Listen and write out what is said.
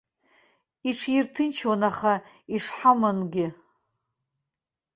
Иҽирҭынчуан, аха ишҳамынгьы.